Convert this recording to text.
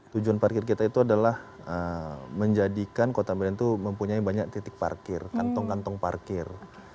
tujuan parkir kita itu adalah menjadikan kota medan itu mempunyai banyak titik parkir kantong kantong parkir